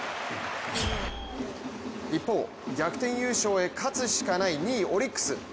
一方、逆転優勝へ勝つしかない２位・オリックス。